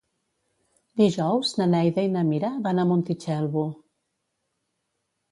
Dijous na Neida i na Mira van a Montitxelvo.